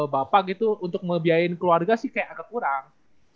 bapak gitu untuk ngebiayain keluarga sih kayak agak kurang